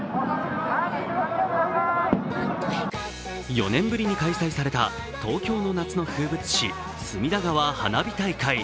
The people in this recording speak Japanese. ４年ぶりに開催された東京の夏の風物詩・隅田川花火大会。